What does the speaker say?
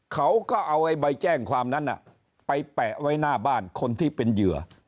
เขาก็เอาใบแจ้งความนั้นไปแปะไว้หน้าบ้านคนที่เป็นเหยื่อ